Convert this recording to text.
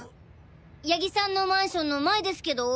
谷木さんのマンションの前ですけど。